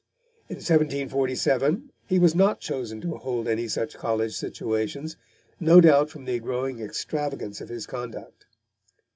In 1747 he was not chosen to hold any such college situations, no doubt from the growing extravagance of his conduct.